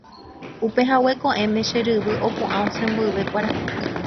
Upehague ko'ẽme che ryvy opu'ã osẽ mboyve kuarahy.